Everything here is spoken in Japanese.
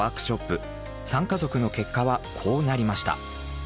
３家族の結果はこうなりました。